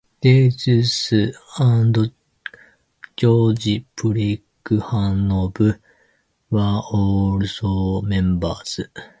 Deutsch and Georgi Plekhanov were also members.